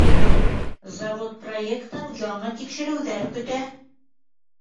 Завод проектын яңы тикшереүҙәр көтә.